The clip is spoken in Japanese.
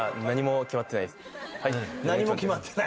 何も決まってない？